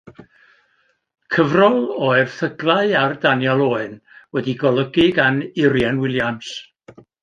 Cyfrol o erthyglau ar Daniel Owen wedi'i golygu gan Urien Williams.